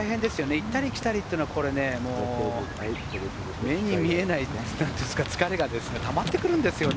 行ったり来たりして目に見えない疲れがたまってくるんですよね。